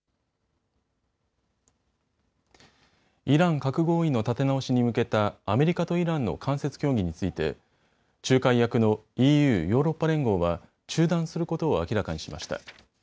イラン核合意の立て直しに向けたアメリカとイランの間接協議について仲介役のＥＵ・ヨーロッパ連合は中断することを明らかにしました。